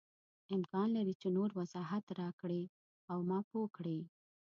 امکان لري چې نور وضاحت راکړې او ما پوه کړې.